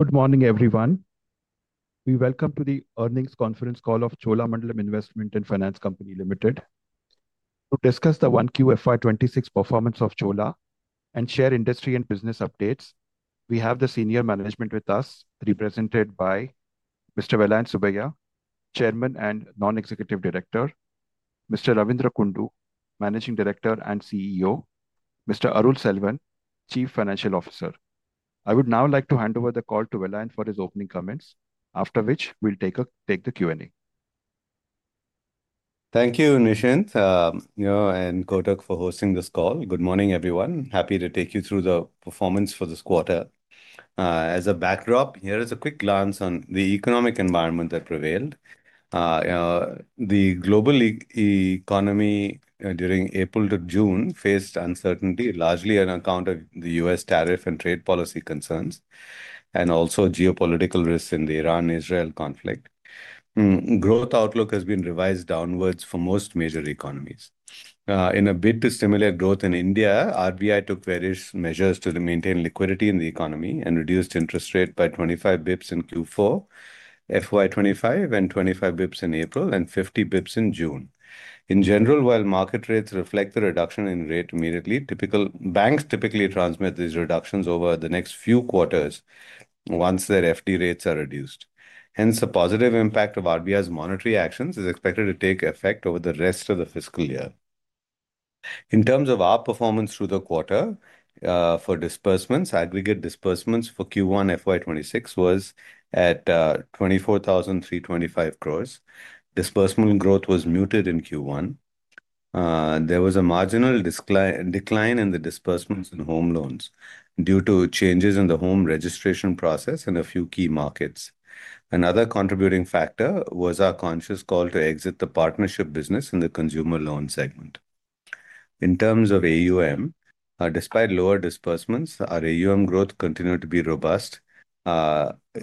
Good morning everyone. We welcome you to the earnings conference call of Cholamandalam Investment and Finance Company Limited to discuss the 1Q FY 2026 performance of Chola and share industry and business updates. We have the senior management with us represented by Mr. Vellayan Subbiah, Chairman and Non-Executive Director, Mr. Ravindra Kundu, Managing Director and CEO, and Mr. Arul Selvan, Chief Financial Officer. I would now like to hand over the call to Vellayan for his opening comments after which we'll take the Q&A. Thank you Nischint, you know, and Kotak for hosting this call. Good morning everyone. Happy to take you through the performance for this quarter. As a backdrop, here is a quick glance on the economic environment that prevailed. The global economy during April-June faced uncertainty largely on account of the U.S. tariff and trade policy concerns and also geopolitical risks in the Iran-Israel conflict. Growth outlook has been revised downwards for most major economies. In a bid to stimulate growth in India, RBI took various measures to maintain liquidity in the economy and reduced interest rate by 25 bps in Q4 FY 2025 and 25 bps in April and 50 bps in June. In general, while market rates reflect the reduction in rate immediately, typical banks typically transmit these reductions over the next few quarters once their FD rates are reduced. Hence, the positive impact of RBI's monetary actions is expected to take effect over the rest of the fiscal year. In terms of our performance through the quarter for disbursements, aggregate disbursements for Q1 FY 2026 was at 24,325 crore. Disbursement growth was muted in Q1. There was a marginal decline in the disbursements in home loans due to changes in the home registration process in a few key markets. Another contributing factor was our conscious call to exit the partnership business in the consumer loan segment. In terms of AUM, despite lower disbursements, our AUM growth continued to be robust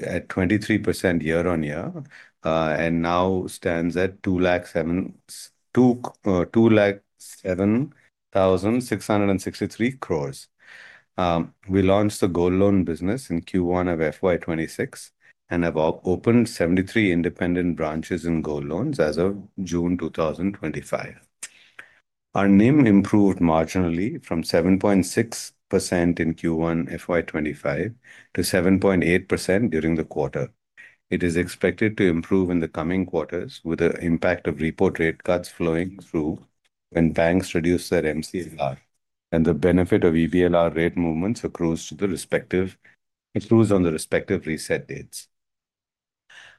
at 23% year-on-year and now stands at 2,07,663 crore. We launched the gold loan business in Q1 of FY 2026 and have opened 73 independent branches in gold loans as of June 2025. Our net interest margin improved marginally from 7.6% in Q1 FY 2025 to 7.8% during the quarter. It is expected to improve in the coming quarters with the impact of repo rate cuts flowing through when banks reduce their MCLR and the benefit of EBLR rate movements accrues on the respective reset dates.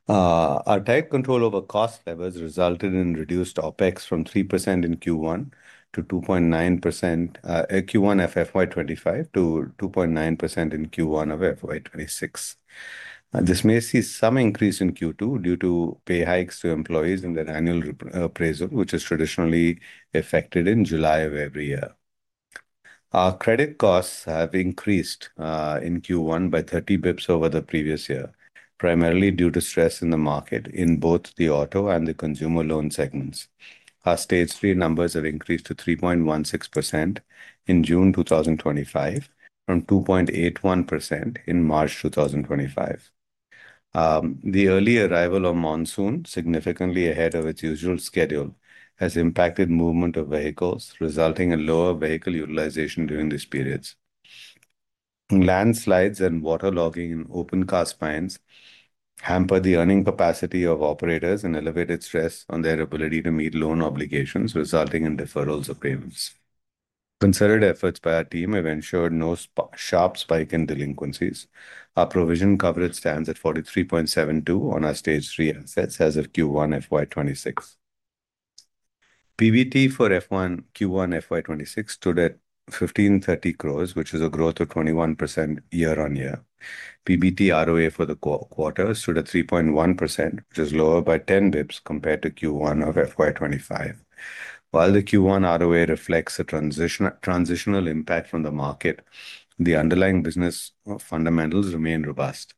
Our tight control over cost levers resulted in reduced OpEx from 3% in Q1 to 2.9% in Q1 FY 2025 to 2.9% in Q1 of FY 2026. This may see some increase in Q2 due to pay hikes to employees in their annual appraisal, which is traditionally effected in July of every year. Our credit costs have increased in Q1 by 30 bps over the previous year, primarily due to stress in the market in both the auto and the consumer loan segments. Our stage three numbers have increased to 3.16% in June 2025 from 2.81% in March 2025. The early arrival of monsoon, significantly ahead of its usual schedule, has impacted movement of vehicles, resulting in lower vehicle utilization during these periods. Landslides and water logging and open cast mines hampered the earning capacity of operators and elevated stress on their ability to meet loan obligations, resulting in deferrals of payments. Concerted efforts by our team have ensured no sharp spike in delinquencies. Our provision coverage stands at 43.72% on our stage three assets as of Q1 FY 2026. PBT for Q1 FY 2026 stood at 1,530 crore, which is a growth of 21% year-on-year. PBT ROA for the quarter stood at 3.1%, which is lower by 10 bps compared to Q1 of FY 2025. While the Q1 ROA reflects a transitional impact from the market, the underlying business fundamentals remain robust.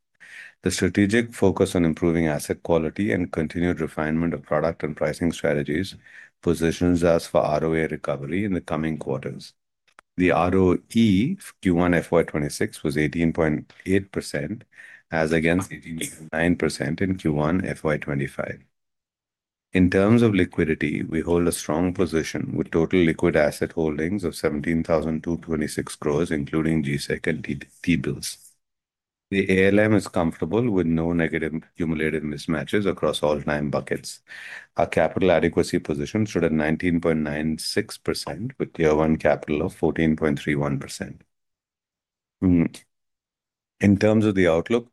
The strategic focus on improving asset quality and continued refinement of product and pricing strategies positions us for ROA recovery in the coming quarters. The ROE Q1 FY 2026 was 18.8% as against 18.9% in Q1 FY 2025. In terms of liquidity, we hold a strong position with total liquid asset holdings of 17,226 crore, including G-Sec and T-bills. The ALM is comfortable with no negative cumulative mismatches across all nine buckets. Our capital adequacy position stood at 19.96% with tier one capital of 14.31%. In terms of the outlook,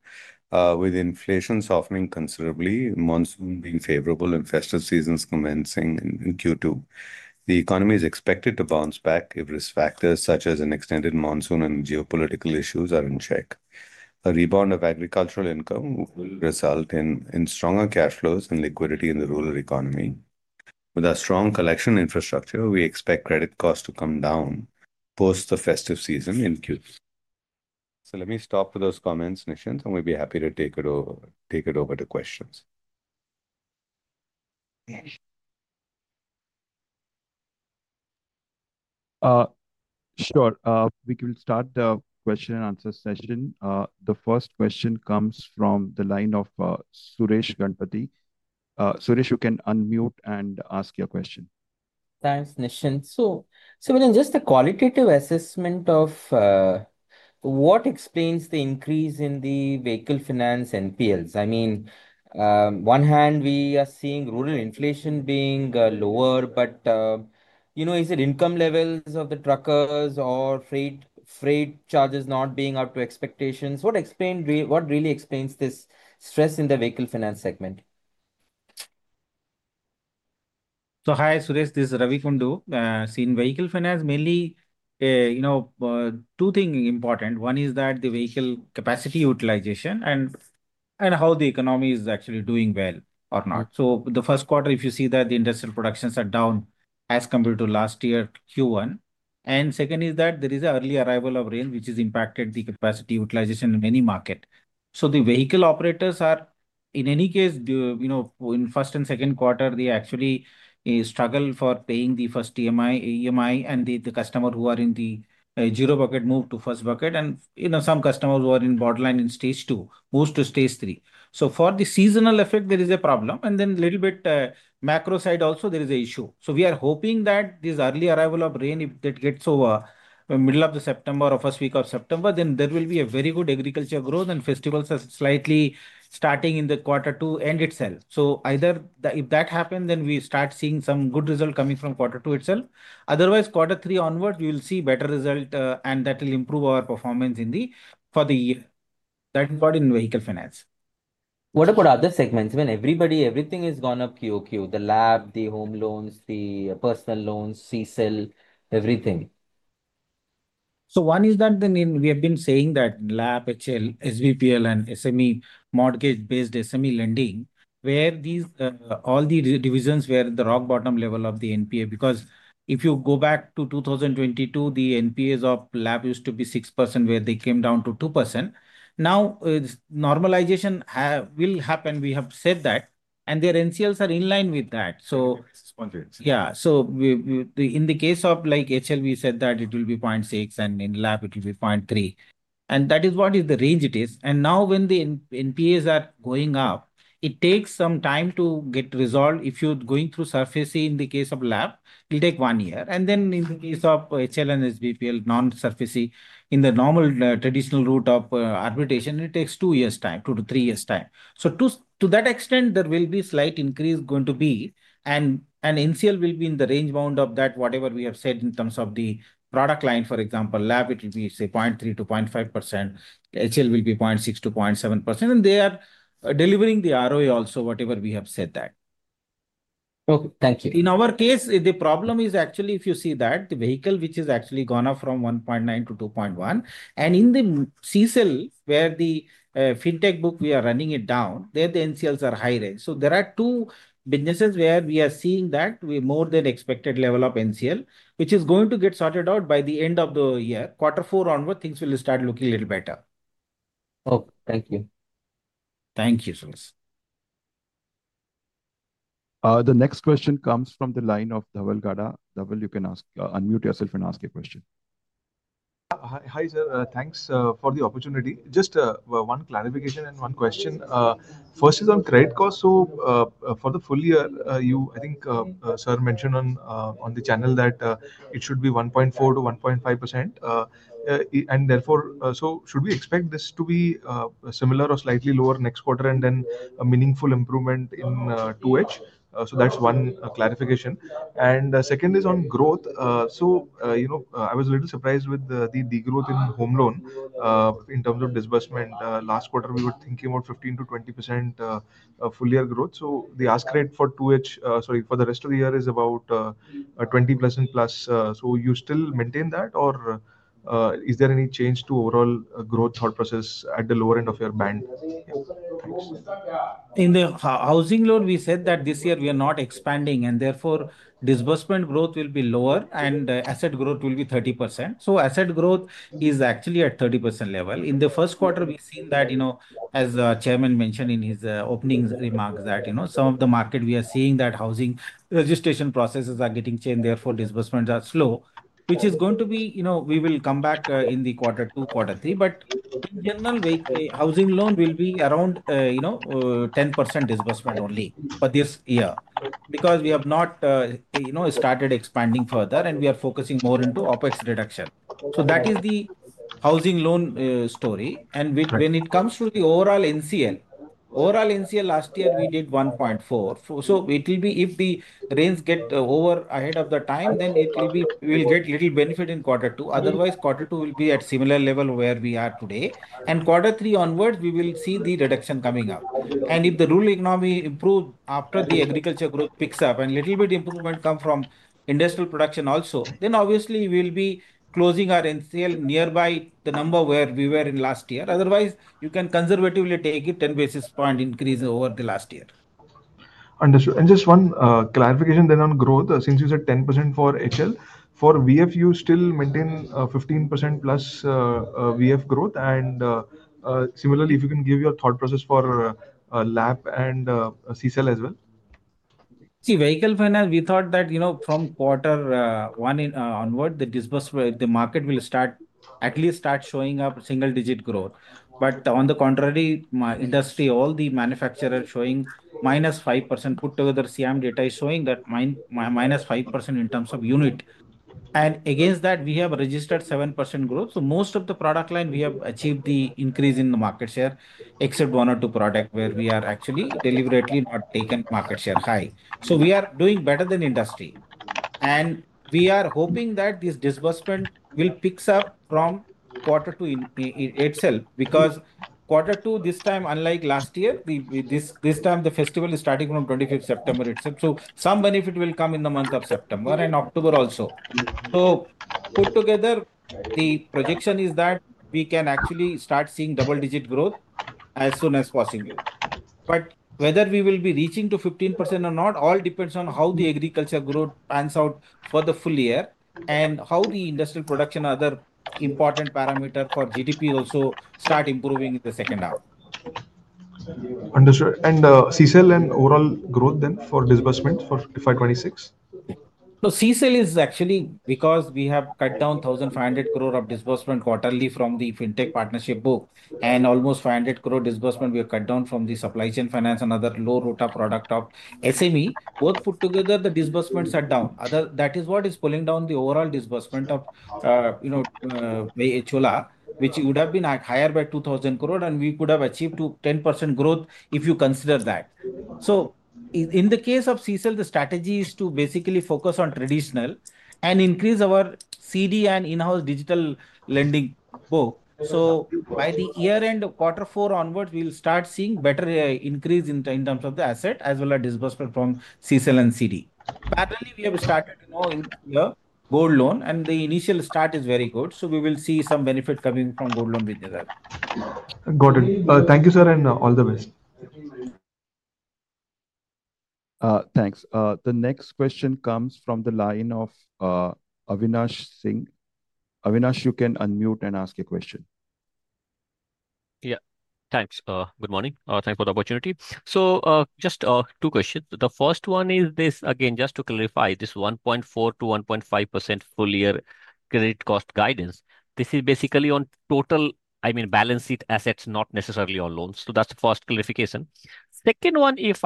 with inflation softening considerably, monsoon being favorable, and festive seasons commencing in Q2, the economy is expected to bounce back if risk factors such as an extended monsoon and geopolitical issues are in check. A rebound of agricultural income will result in stronger cash flows and liquidity in the rural economy. With our strong collection infrastructure, we expect credit costs to come down post the festive season in Q2. Let me stop for those comments, Nischint, and we'll be happy to take it over. Take it over to questions. Sure. We can start the question and answer session. The first question comes from the line of Suresh Ganapathy. Suresh, you can unmute and ask your question. Thanks, Nischint. Within just a qualitative assessment of what explains the increase in the vehicle finance NPLs. I mean, on one hand we are seeing rural inflation being lower, but is it income levels of the truckers or freight charges not being up to expectations? What really explains this stress in the vehicle finance segment? Hi Suresh, this is Ravindra Kundu. In vehicle finance mainly, two things are important. One is the vehicle capacity utilization and how the economy is actually doing well or not. In the first quarter, if you see, the industrial productions are down as compared to last year Q1, and second is that there is an early arrival of rain which has impacted the capacity utilization in any market. The vehicle operators are, in any case, in the first and second quarter, they actually struggle for paying the first EMI, and the customers who are in the zero bucket move to the first bucket. Some customers who are in bottleneck in stage two move to stage three. For the seasonal effect, there is a problem, and then a little bit on the macro side also there is an issue. We are hoping that this early arrival of rain, if that gets over by the middle of September or first week of September, then there will be very good agriculture growth. Festivals are slightly starting in the quarter two end itself. If that happens, then we start seeing some good result coming from quarter two itself. Otherwise, quarter three onward, you will see better result and that will improve our performance for the year in vehicle finance. What about other segments when everything has gone up Q-on-Q, the LAP, the home loans, the personal loans, CSEL, everything? We have been saying that LAP, HL, SBPL, SME and mortgage-based SME lending, where all the divisions were at the rock bottom level of the NPA. If you go back to 2022, the NPAs of LAP used to be 6% where they came down to 2%. Now normalization will happen. We have said that, and their NCLs are in line with that. In the case of HL, we said that it will be 0.6% and in LAP it will be 0.3%. That is what the range is. Now when the NPAs are going up, it takes some time to get resolved. If you're going through SARFAESI in the case of LAP it'll take one year and then in the case of HL and SBPL non-SARFAESI in the normal traditional route of arbitration it takes two years' time, two-three years' time. To that extent there will be slight increase going to be and an NCL will be in the range bound of that. Whatever we have said in terms of the product line, for example, LAP it will be say 0.3%-0.5%, HL will be 0.6%-0.7% and they are delivering the ROA also whatever we have said that. Okay, thank you. In our case the problem is actually if you see that the vehicle which is actually gone up from 1.9%-2.1% and in the CSEL where the fintech book we are running it down there. The NCLs are high range. There are two businesses where we are seeing that we more than expected level of NCL which is going to get sorted out by the end of the year, quarter four onward things will start looking a little better. Thank you. Thank you. The next question comes from the line of Dhaval Gada. Dhaval, you can unmute yourself and ask a question. Hi sir, thanks for the opportunity. Just one clarification and one question. First is on credit cost. For the full year you I think sir mentioned on the channel that it should be 1.4%-1.5% and therefore should we expect this to be similar or slightly lower next quarter and then a meaningful improvement in 2H. That's one clarification and second is on growth. I was a little surprised with the degrowth in home loan in terms of disbursement last quarter. We were thinking about 15%-20% full year growth. The ask rate for 2H, sorry, for the rest of the year is about 20+ and plus. You still maintain that or is there any change to overall growth thought process at the lower end of your band? In the housing loan we said that this year we are not expanding and therefore disbursement growth will be lower and asset growth will be 30%. Asset growth is actually at 30% level in the first quarter. We have seen that, as Chairman mentioned in his opening remarks, that in some of the market we are seeing that housing registration processes are getting changed therefore disbursements are slow which is going to be, we will come back in the quarter two, quarter three. In general, housing loan will be around, you know, 10% disbursement only for this year because we have not started expanding further and we are focusing more into OpEx reduction. That is the home loan story. When it comes to the overall NCL, overall NCL last year we did 1.4%. If the rains get over ahead of time, then we will get a little benefit in quarter two. Otherwise, quarter two will be at a similar level where we are today. Quarter three onwards we will see the reduction coming up. If the rural economy improves after the agriculture group picks up and a little bit of improvement comes from industrial production also, then obviously we will be closing our NCL near the number where we were last year. Otherwise, you can conservatively take it as a 10 basis points increase over last year. Understood. Just one clarification then on growth. Since you said 10% for HL, for VF you still maintain 15% plus VF growth. Similarly, if you can give your thought process for LAP and CSEL as well. See, vehicle finance, we thought that from quarter one onward the disbursement, the market will at least start showing single-digit growth. On the contrary, my industry, all the manufacturers are showing -5%. Put together, SIAM data is showing that -5% in terms of unit, and against that we have registered 7% growth. Most of the product lines we have achieved the increase in market share except one or two products where we have actually deliberately not taken market share high. We are doing better than industry. We are hoping that this disbursement will pick up from quarter two itself, because quarter two this time, unlike last year, the festival is starting from the 25th of September itself. Some benefit will come in the month of September and October also. Put together, the projection is that we can actually start seeing double-digit growth as soon as possible. Whether we will be reaching 15% or not all depends on how the agriculture growth pans out for the full year and how the industrial production and other important parameters for GDP also start improving in the second half. Understood. CSEL and overall growth then for disbursement for FY 2026. The CSEL is actually because we have cut down 1,500 crore of disbursement quarterly from the fintech partnership book and almost 500 crore disbursement we have cut down from the supply chain finance, another low ROTA product of SME. Both put together, the disbursements are down. That is what is pulling down the overall disbursement of Chola, which would have been higher by 2,000 crore, and we could have achieved 10% growth if you consider that. In the case of CSEL, the strategy is to basically focus on traditional and increase our CD and in-house digital lending book. By the year end of quarter four onwards, we'll start seeing better increase in terms of the asset as well as disbursement from CSEL and CD. We have started gold loan, and the initial start is very good. We will see some benefit coming from gold loan business. Got it. Thank you, sir, and all the best. Thanks. The next question comes from the line of Avinash Singh. Avinash, you can unmute and ask a question. Yeah, thanks. Good morning. Thanks for the opportunity. Just two questions. The first one is, again, just to clarify, this 1.4%-1.5% full year credit cost guidance. This is basically on total, I mean, balance sheet assets, not necessarily on loans. That's the first clarification. Second one, if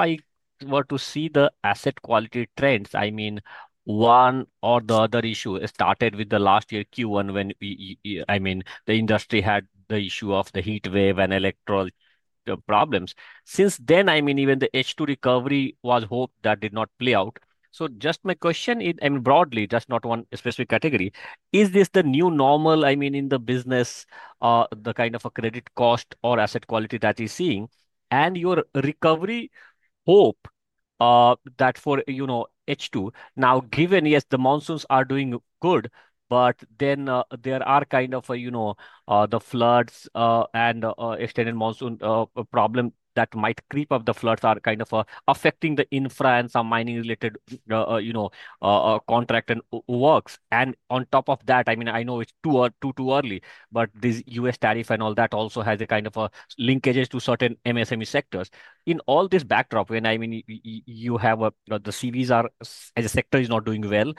I were to see the asset quality trends, I mean, one or the other issue started with last year Q1 when we, I mean, the industry had the issue of the heat wave and electrical problems. Since then, even the H2 recovery was hoped, that did not play out. Just my question is, broadly, just not one specific category, is this the new normal? I mean, in the business, the kind of a credit cost or asset quality that is seen and your recovery hope that for H2 now, given yes, the monsoons are doing good, but then there are, you know, the floods and extended monsoon problem that might creep up. The floods are kind of affecting the infra and some mining-related contract and works, and on top of that, I mean, I know it's too early, but this U.S. tariff and all that also has kind of linkages to certain MSME sectors. In all this backdrop, when you have a, the CVs as a sector is not doing well,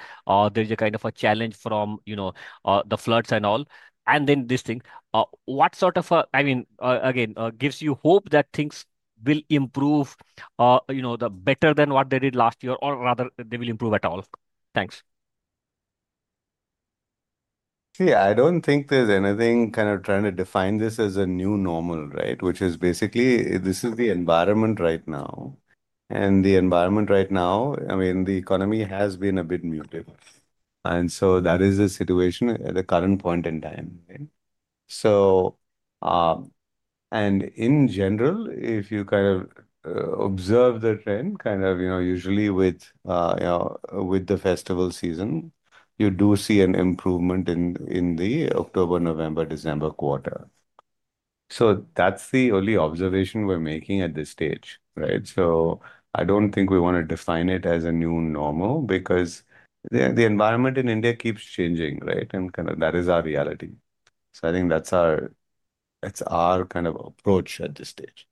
there's a kind of a challenge from the floods and all, and then this thing, what sort of, I mean, again, gives you hope that things will improve, you know, better than what they did last year, or rather they will improve at all? Thanks. See, I don't think there's anything kind of trying to define this as a new normal, right, which is basically this is the environment right now and the environment right now. I mean the economy has been a bit muted and that is the situation at the current point in time. In general, if you observe the trend, usually with the festival season, you do see an improvement in the October, November, December quarter. That's the only observation we're making at this stage. I don't think we want to define it as a new normal because the environment in India keeps changing, and that is our reality. I think that's our approach at this stage.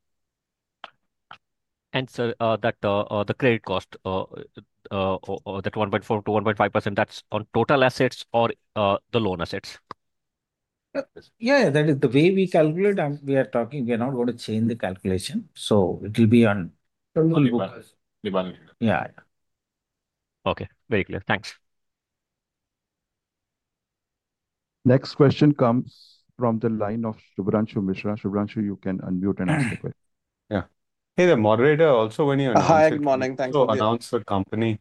Sir, the credit cost, that 1.4%-1.5%, that's on total assets or the loan assets? Yeah, that is the way we calculate and we are talking. We are not going to change the calculation, so it will be on. Yeah. Okay, very clear. Thanks. Next question comes from the line of Shubhranshu Mishra. Shubhranshu, you can unmute and ask. Yeah. Hi, good morning. Thank you. Announce the company.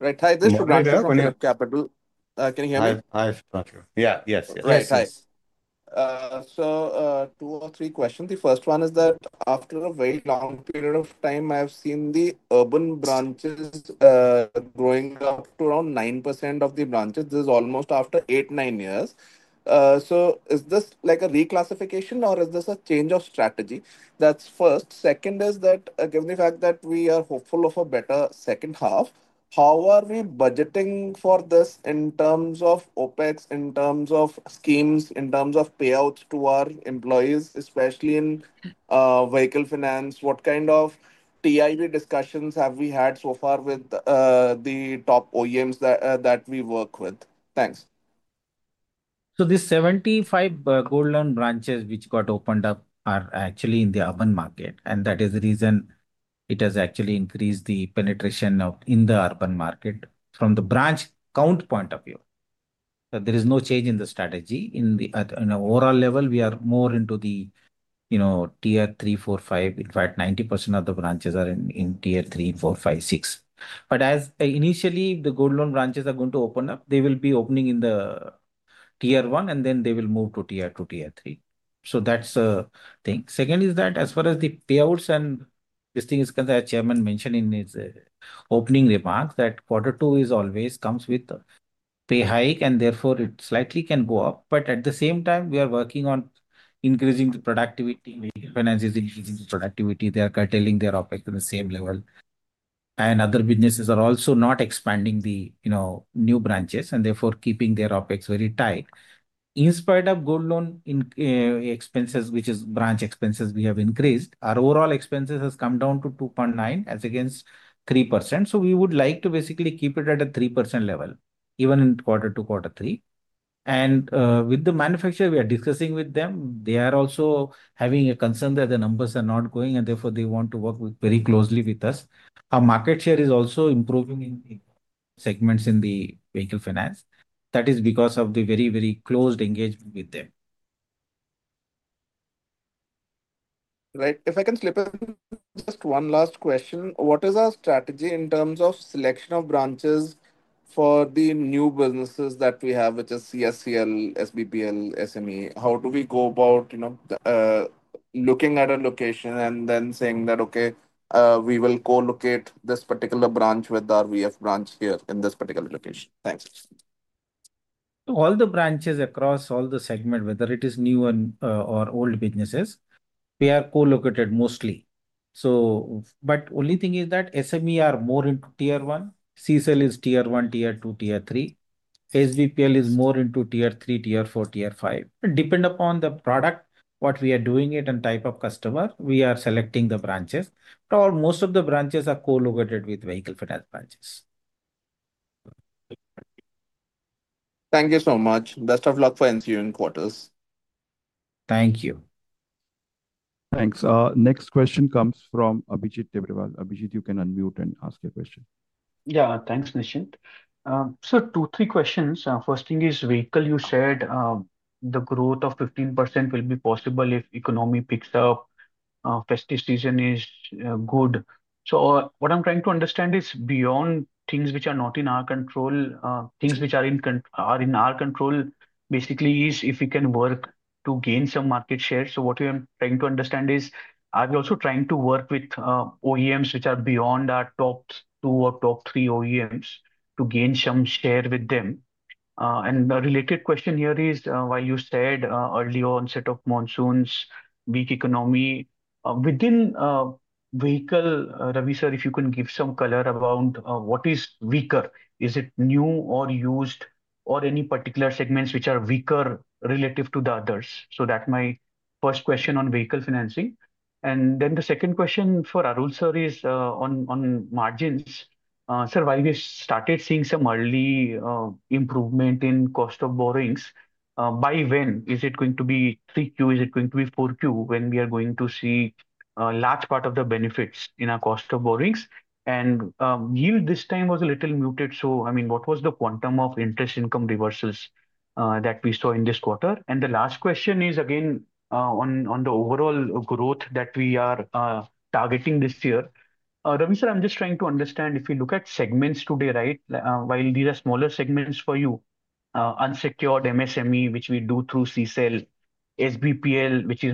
Right. Hi, this capital. Can you hear me? Yeah. Yes. Right. Hi. So two or three questions. The first one is that after a very long period of time I have seen the urban branches growing up to around 9% of the branches. This is almost after eight, nine years. Is this like a reclassification or is this a change of strategy? That's first. Second is that given the fact that we are hopeful of a better second half, how are we budgeting for this in terms of OpEx, in terms of schemes, in terms of payouts to our employees, especially in vehicle finance? What kind of TIV discussions have we had so far with the top OEMs that we work with? Thanks. This 75 golden branches which got opened up are actually in the urban market, and that is the reason it has actually increased the penetration in the urban market. From the branch count point of view, there is no change in the strategy at the overall level. We are more into the tier three, four, five. In fact, 90% of the branches are in tier three, four, five, six. As initially the gold loan branches are going to open up, they will be opening in the tier one and then they will move to tier two, tier three. That's a thing. Second is that as far as the payouts and this thing is concerned, Chairman mentioned in his opening remarks that quarter two always comes with pay hike and therefore it slightly can go up. At the same time, we are working on increasing the productivity. Finance is increasing productivity. They are curtailing their OpEx at the same level and other businesses are also not expanding the new branches and therefore keeping their OpEx very tight. In spite of gold loan expenses, which is branch expenses, we have increased. Our overall expenses have come down to 2.9% as against 3%. We would like to basically keep it at a 3% level even in quarter two, quarter three. With the manufacturer, we are discussing with them. They are also having a concern that the numbers are not going. Therefore, they want to work very closely with us. Our market share is also improving in segments in the vehicle finance. That is because of the very, very close engagement with them. Right. If I can slip in just one last question. What is our strategy in terms of selection of branches for the new businesses that we have, which is CSEL, SBPL, SME? How do we go about, you know, looking at a location and then saying that, okay, we will co-locate this particular branch with our VF branch here in this particular location? Thanks. All the branches across all the segments, whether it is new and or old businesses, they are co-located mostly. Only thing is that SME are more into tier one. CSEL is tier one, tier two, tier three. SBPL is more into tier three, tier four, tier five. Depending upon the product, what we are doing and type of customer, we are selecting the branches. Almost all of the branches are co-located with vehicle finance branches. Thank you so much. Best of luck for ensuing quarters. Thank you. Thanks. Next question comes from Abhijit Tibrewal. Abhijit, you can unmute and ask your question. Yeah. Thanks, Nischint. Two, three questions. First thing is vehicle. You said the growth of 15% will be possible if economy picks up, festive season is good. What I'm trying to understand is beyond things which are not in our control. Things which are in our control basically is if we can work to gain some market share. What we are trying to understand is are we also trying to work with OEMs which are beyond our top two or top three OEMs to gain some share with them? A related question here is while you said earlier onset of monsoons, weak economy within vehicle, Ravindra, if you can give some color around what is weaker? Is it new or used or any particular segments which are weaker relative to the others? That is my first question on vehicle financing and then the second question for Arul sir is on margins. Sir, while we started seeing some early improvement in cost of borrowings, by when is it going to be—3Q, is it going to be 4Q—when are we going to see a large part of the benefits in our cost of borrowings? Yield this time was a little muted. What was the quantum of interest income reversals that we saw in this quarter? The last question is again on the overall growth that we are targeting this year. Ravindra, I'm just trying to understand, if you look at segments today, right, while these are smaller segments for you—unsecured SME, which we do through CSEL SBPL, which is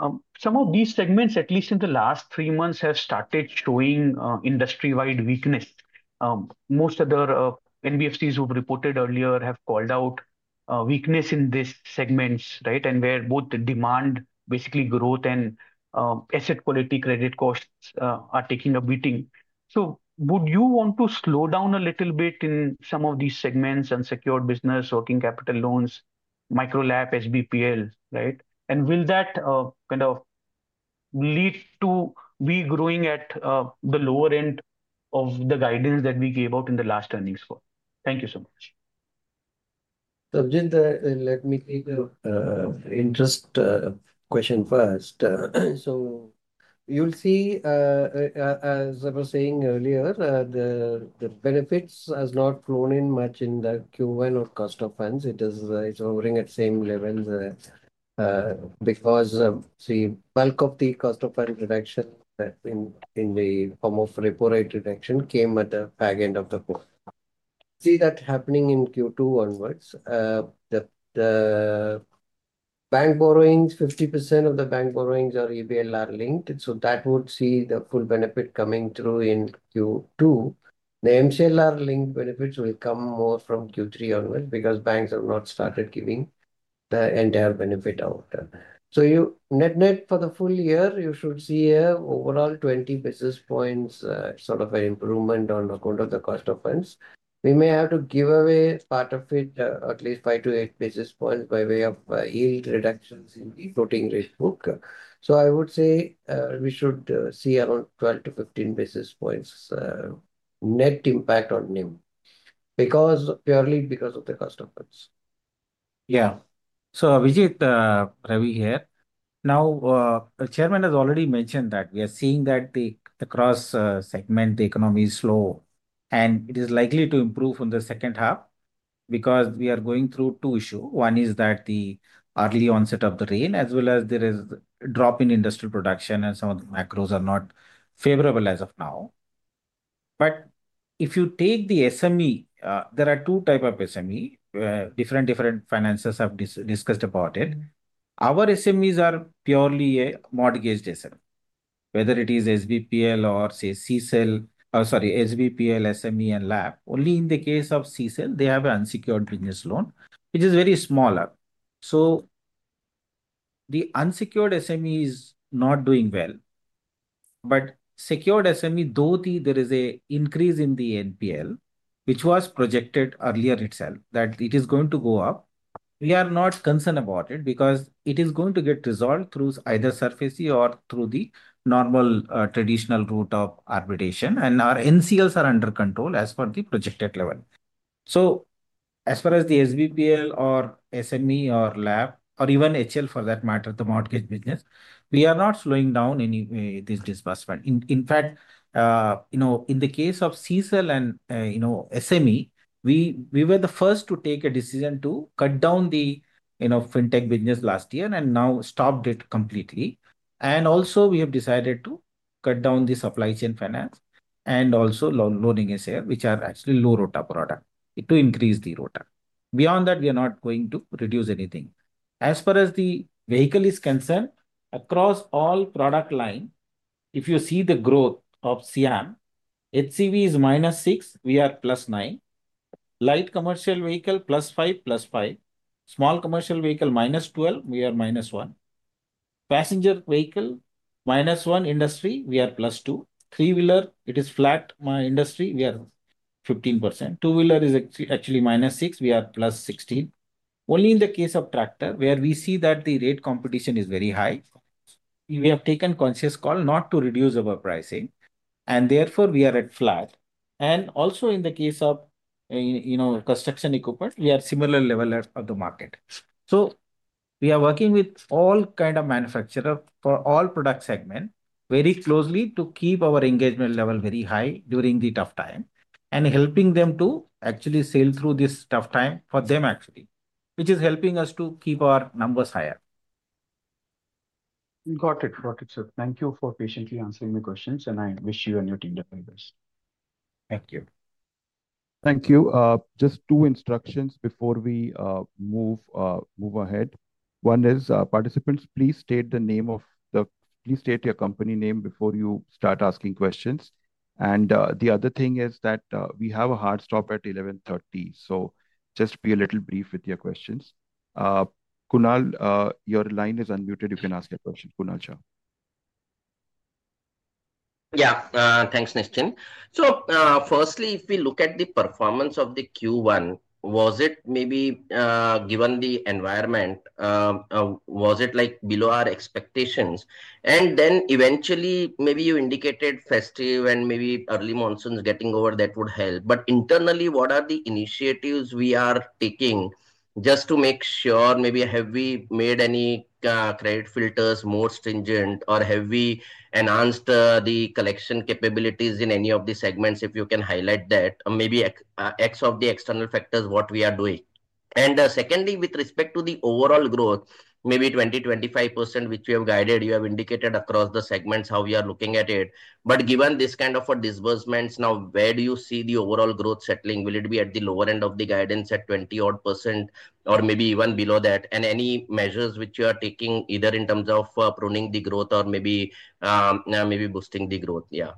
micro-LAP—some of these segments, at least in the last three months, have started showing industry-wide weakness. Most other NBFCs who've reported earlier have called out weakness in these segments, where both the demand, basically growth, and asset quality, credit costs, are taking a beating. Would you want to slow down a little bit in some of these segments—unsecured business, working capital loans, micro-LAP SBPL? Will that kind of lead to us growing at the lower end of the guidance that we gave out in the last earnings? Thank you so much. Let me take the interest question first. You'll see, as I was saying earlier, the benefits have not flown in much in Q1 on cost of funds. It is hovering at the same level because the bulk of the cost of fund reduction in the form of repo rate reduction came at the back end of the quarter. See that happening in Q2 onwards. The bank borrowings, 50% of the bank borrowings are EBLR linked, so that would see the full benefit coming through in Q2. The MCLR linked benefits will come more from Q3 onwards because banks have not started giving the entire benefit out. Net-net, for the full year, you should see overall 20 basis points, sort of an improvement on account of the cost of funds. We may have to give away part of it, at least 5 basis points-8 basis points by way of yield reductions in the floating risk book. I would say we should see around 12 basis points-15 basis points net impact on NIM, purely because of the customers. Yeah. So, Vijit Ravi here. Now, the Chairman has already mentioned that we are seeing that across segments, the economy is slow, and it is likely to improve in the second half because we are going through two issues. One is the early onset of the rain, as well as there is a drop in industrial production, and some of the macros are not favorable as of now. If you take the SME, there are two types of SME, different finances have discussed about it. Our SMEs are purely a mortgage decision, whether it is SBPL or, say, CSEL, sorry, SBPL, SME, and LAP. Only in the case of CSEL, they have unsecured business loan, which is very smaller. The unsecured SME is not doing well. Secured SME, there is an increase in the NPL, which was projected earlier itself that it is going to go up. We are not concerned about it because it is going to get resolved through either SARFAESI or through the normal traditional route of arbitration. Our NCLs are under control as per the projected level. As far as the SBPL or SME or LAP or even HL for that matter, the mortgage business, we are not slowing down any disbursement. In fact, in the case of CSEL and SME, we were the first to take a decision to cut down the fintech business last year and now stopped it completely. We have also decided to cut down the supply chain finance. Also, loading is here, which are actually low ROTA product, to increase the ROTA. Beyond that, we are not going to reduce anything as far as the vehicle is concerned across all product lines. If you see the growth of SIAM HCV is -6%, we are +9%, light commercial vehicle +5%, +5%, small commercial vehicle -12%, we are -1%, passenger vehicle -1%, industry we are +2%, three wheeler, it is flat. My industry, we are 15%. Two wheeler is actually -6%, we are +16%. Only in the case of tractor, where we see that the rate competition is very high, we have taken conscious call not to reduce our pricing and therefore we are at flat. In the case of construction equipment, we are similar level of the market. We are working with all kinds of manufacturers for all product segments very closely to keep our engagement level very high during the tough time and helping them to actually sail through this tough time for them, which is helping us to keep our numbers higher. Got it? Got it, sir. Thank you for patiently answering the questions and I wish you and your team the very best. Thank you. Thank you. Just two instructions before we move ahead. One is, participants, please state your name. Please state your company name before you start asking questions. The other thing is that we have a hard stop at 11:30 A.M., so just be a little brief with your questions. Kunal, your line is unmuted. You can ask your question. Kunal Shah. Yeah, thanks Nischint. Firstly, if we look at the performance of the Q1, was it maybe given the environment, was it like below our expectations? Eventually, maybe you indicated festive and maybe early monsoons getting over that would help. Internally, what are the initiatives we are taking just to make sure, maybe have we made any credit filters more stringent or have we enhanced the collection capabilities in any of the segments? If you can highlight that, maybe excluding the external factors, what we are doing. Secondly, with respect to the overall growth, maybe 20%-25% which we have guided, you have indicated across the segments how we are looking at it. Given this kind of disbursements now, where do you see the overall growth settling? Will it be at the lower end of the guidance at 20% or maybe even below that? Any measures which you are taking either in terms of pruning the growth or maybe boosting the growth? Yeah,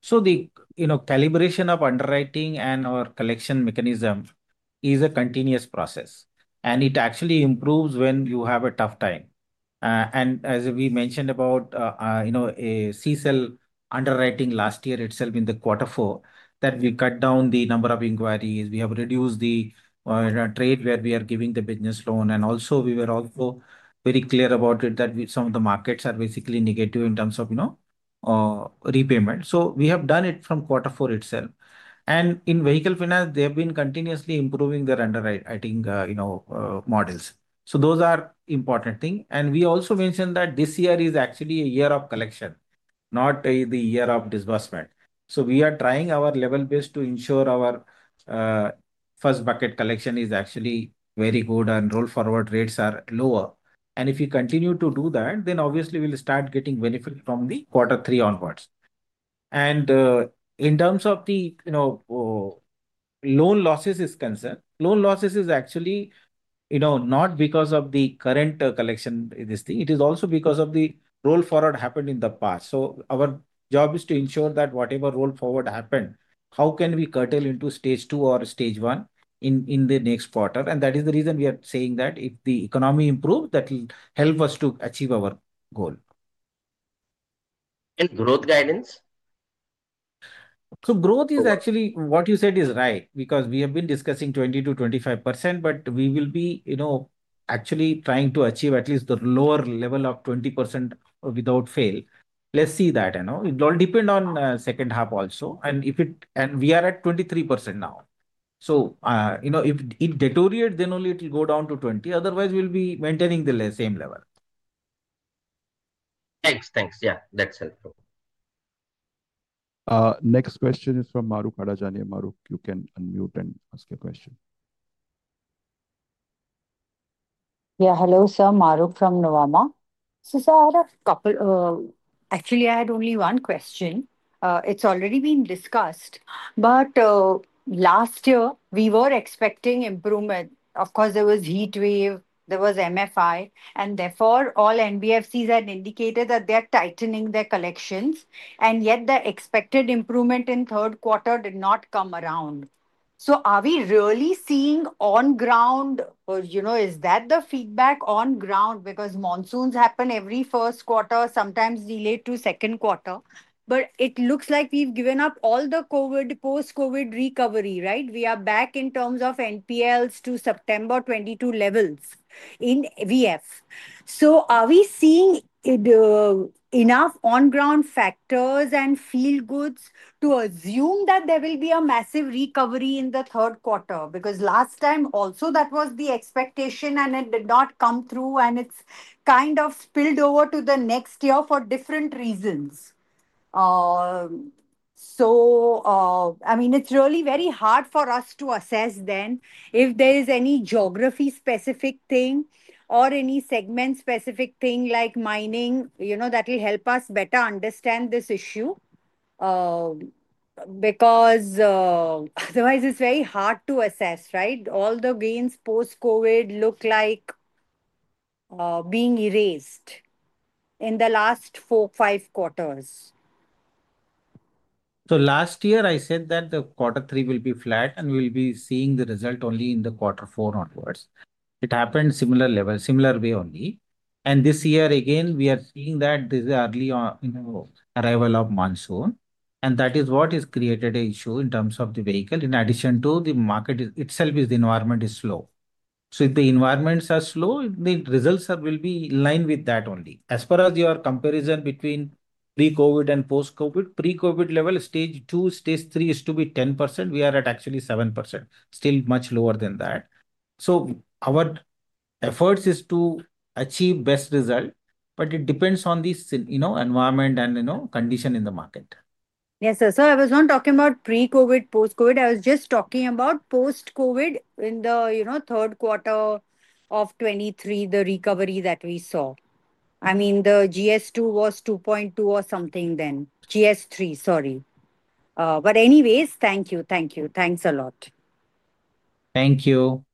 the calibration of underwriting and collection mechanism is a continuous process and it actually improves when you have a tough time. As we mentioned about, you know, a CSEL underwriting last year itself in the quarter four that we cut down the number of inquiries, we have reduced the trade where we are giving the business loan. We were also very clear about it that some of the markets are basically negative in terms of repayment. We have done it from quarter four itself. In vehicle finance, they have been continuously improving their underwriting models. Those are important things. We also mentioned that this year is actually a year of collection, not the year of disbursement. We are trying our level best to ensure our first bucket collection is actually very good and roll forward rates are lower. If you continue to do that, then obviously we'll start getting benefit from the quarter three onwards. In terms of the loan losses, loan losses are actually not because of the current collection. It is also because of the roll forward happened in the past. Our job is to ensure that whatever roll forward happened, how can we curtail into stage two or stage one in the next quarter. That is the reason we are saying that if the economy improves, that will help us to achieve our goal. And growth guidance? Growth is actually what you said is right because we have been discussing 20%-25% but we will be, you know, actually trying to achieve at least the lower level of 20% without fail. Let's see, you know, it will depend on the second half also. We are at 23% now, so, you know, if it deteriorates then only it will go down to 20%, otherwise we'll be maintaining the same level. Thanks, thanks. Yeah, that's helpful. Next question is from Mahrukh Adajania. Mahrukh, you can unmute and ask your question. Yeah. Hello sir, Mahrukh from Nuvama. Sir, I had a couple. Actually, I had only one question. It's already been discussed. Last year we were expecting improvement. Of course, there was heat wave, there was MFI, and therefore all NBFCs had indicated that they are tightening their collections and yet the expected improvement in the third quarter did not come around. Are we really seeing on ground, is that the feedback on ground? Monsoons happen every first quarter, sometimes delayed to second quarter. It looks like we've given up all the COVID, post-COVID recovery. Right. We are back in terms of NPLs to September 2022 levels in vehicle finance. Are we seeing enough on ground factors and feel goods to assume that there will be a massive recovery in the third quarter? Last time also that was the expectation and it did not come through and it's kind of spilled over to the next year for different reasons. It's really very hard for us to assess then if there is any geography specific thing or any segment specific thing like mining, you know, that will help us better understand this issue. Otherwise, it's very hard to assess. Right. All the gains post-COVID look like being erased in the last four, five quarters. Last year I said that the quarter three will be flat and we'll be seeing the result only in the quarter four onwards. It happened similar level, similar way only. This year again we are seeing that this is early on arrival of monsoon and that is what has created an issue in terms of the vehicle. In addition to the market itself, the environment is slow. If the environments are slow, the results will be in line with that only. As far as your comparison between pre-COVID and post-COVID, pre-COVID level stage two, stage three used to be 10%. We are at actually 7%, still much lower than that. Our effort is to achieve best result, but it depends on this, you know, environment and, you know, condition in the market. Yes sir. I was not talking about pre-COVID, post-COVID. I was just talking about post-COVID. In the third quarter of 2023, the recovery that we saw, the GS2 was 2.2% or something, then GS3, sorry. Anyways, thank you, thank you. Thanks a lot. Thank you.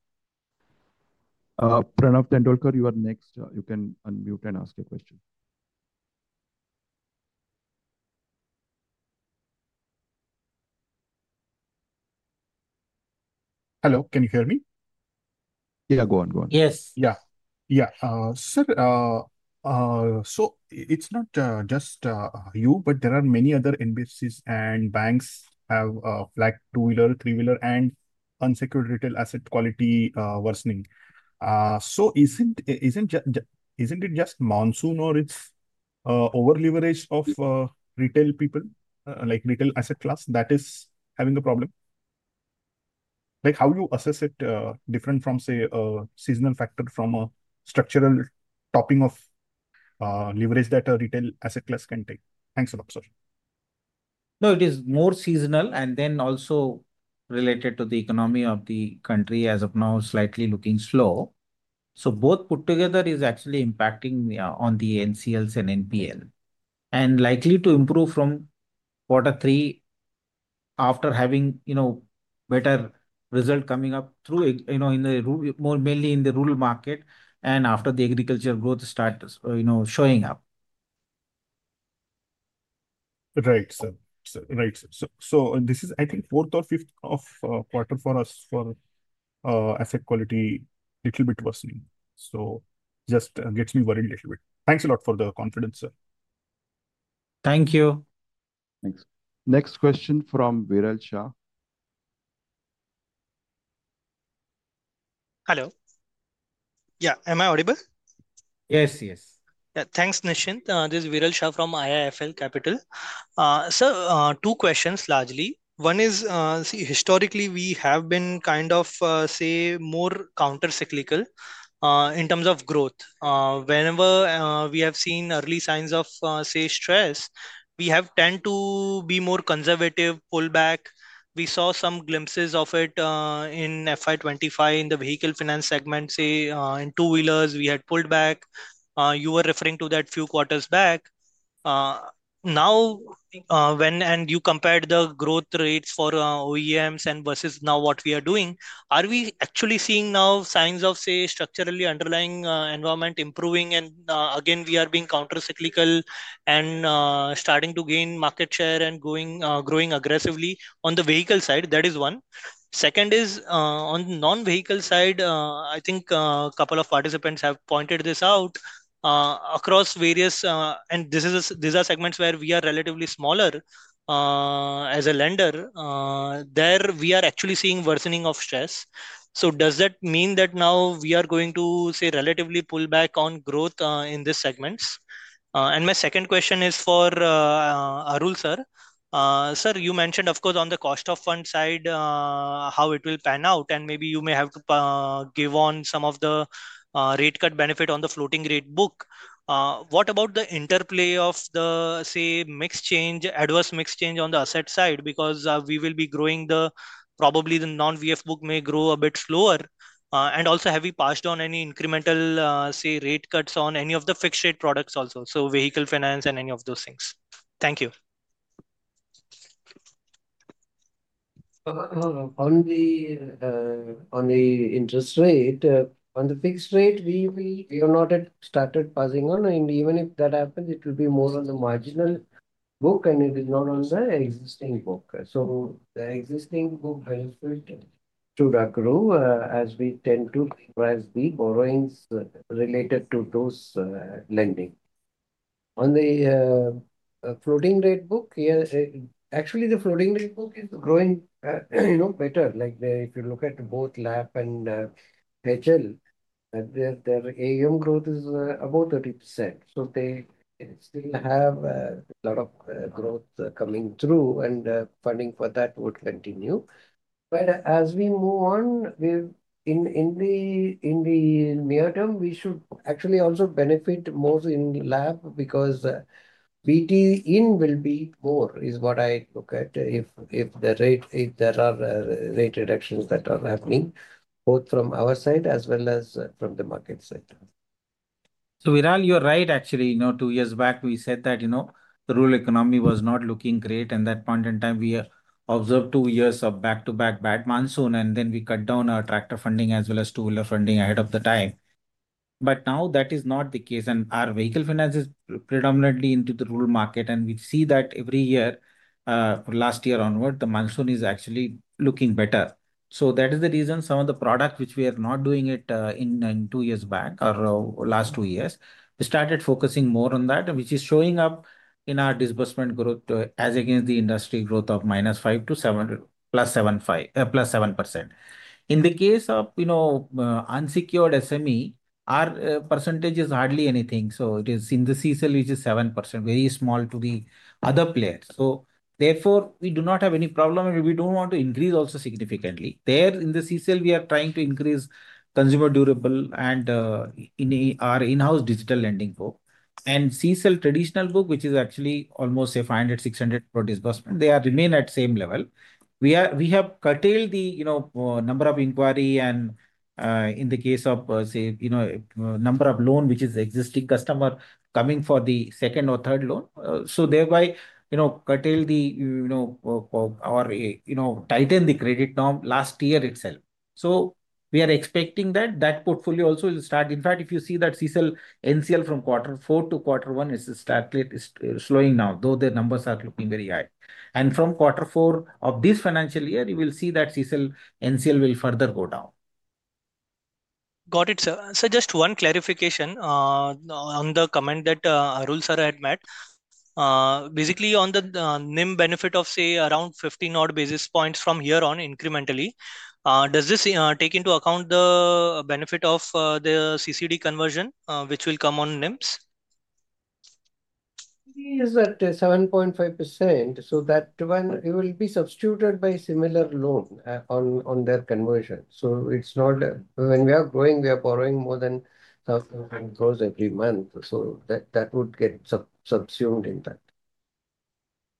Pranav Tendolkar, you are next. You can unmute and ask a question. Hello, can you hear me? Yeah, go on, go on. Yes, yeah, yeah. Sir, it's not just you, but there are many other NBFCs and banks that have flagged two-wheeler, three-wheeler, and unsecured retail asset quality worsening. Isn't it just monsoon, or is it over-leverage of retail people, like retail asset class, that is having a problem? How do you assess it different from, say, a seasonal factor versus a structural topping of leverage that a retail asset class can take? Thanks a lot, sir. No, it is more seasonal and also related to the economy of the country, as of now slightly looking slow. Both put together are actually impacting on the NCLS and NPL and likely to improve from quarter three after having better result coming up, mainly in the rural market and after the agriculture growth starts showing up. Right, sir. Right. This is, I think, fourth or fifth quarter for us for asset quality little bit worsening. Just gets me worried a little bit. Thanks a lot for the confidence, sir. Thank you. Thanks. Next question from Viral Shah. Hello. Yeah, am I audible? Yes, yes. Thanks, Nischint. This is Viral Shah from IIFL Capital. Sir, two questions largely. One is, see, historically we have been kind of more counter-cyclical in terms of growth. Whenever we have seen early signs of stress, we have tended to be more conservative, pull back. We saw some glimpses of it in FY 2025 in the vehicle finance segment. In two-wheelers, we had pulled back, you were referring to that a few quarters back. Now, when you compared the growth rates for OEMs and versus now what we are doing, are we actually seeing now signs of structurally underlying environment improving and again we are being counter-cyclical and starting to gain market share and growing aggressively on the vehicle side? That is one. Two is on non-vehicle side. I think a couple of participants have pointed this out across various, and these are segments where we are relatively smaller as a lender. There we are actually seeing worsening of stress. Does that mean that now we are going to relatively pull back on growth in these segments? My second question is for Arul sir. Sir, you mentioned of course on the cost of fund side how it will pan out and maybe you may have to give on some of the rate cut benefit on the floating rate book. What about the interplay of the mix change, adverse mix change on the asset side because we will be growing, probably the non-vehicle finance book may grow a bit slower. Also, have we passed on any incremental rate cuts on any of the fixed rate products also, so vehicle finance and any of those things. Thank you. On the interest rate, on the fixed rate we have not started passing on. Even if that happens, it will be more on the marginal book and it is not on the existing book. The existing book benefit should accrue as we tend to press the borrowings related to those lending on the floating rate book. Actually, the floating rate book is growing better. If you look at both LAP and HL, their AUM growth is about 30%. They still have a lot of growth coming through and funding for that would continue. As we move on in the near term, we should actually also benefit more in LAP because balance transfer in will be more is what I look at. If there are rate reductions that are happening both from our side as well as from the market sector. You are right. Two years back we said that the rural economy was not looking great. At that point in time, we observed two years of back-to-back bad monsoon. We cut down our tractor funding as well as two-wheeler funding ahead of the time. Now that is not the case and our vehicle finance is predominantly into the rural market. We see that every year, last year onward, the milestone is actually looking better. That is the reason some of the product which we were not doing in two years back or last two years, we started focusing more on that, which is showing up in our disbursement growth as against the industry growth of -5% to 7%, plus 75, plus 7%. In the case of unsecured SME, our percentage is hardly anything. It is in the consumer and small enterprise loans which is 7%, very small to the other players. Therefore, we do not have any problem and we do not want to increase also significantly there. In the CSEL, we are trying to increase consumer durable. In our in-house digital lending book and consumer and small enterprise loans traditional book, which is actually almost a 500 crore, 600 crore book, they remain at same level. We have curtailed the number of inquiry and in the case of, say, number of loan which is existing customer coming for the second or third loan. Thereby, curtail the or tighten the credit term last year itself. We are expecting that that portfolio also will start. In fact, if you see that CSEL, NCL from quarter four to quarter one is start slowing now, though the numbers are looking very high, and from quarter four of this financial year you will see that CSEL, NCL will further go down. Got it, sir. Just one clarification on the comment that Arul sir had made basically on the NIM benefit of, say, around 50-odd basis points from here on incrementally. Does this take into account the benefit of the CCD conversion which will come on NIMs? Is that 7.5% so that when it will be substituted by similar loan on their conversion. It's not when we are growing, we are borrowing more than INR 1 crore every month so that would get subsumed in that.